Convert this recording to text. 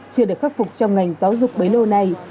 chưa được khắc phục trong ngành giáo dục bấy lâu nay